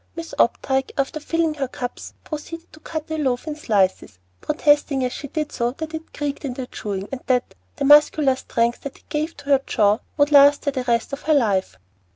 Miss Opdyke, after filling her cups, proceeded to cut the loaf in slices, protesting as she did so that it "creaked in the chewing," and that "The muscular strength that it gave to her jaw Would last her the rest of her life."